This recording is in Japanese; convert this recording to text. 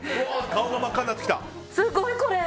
顔が真っ赤になってきた。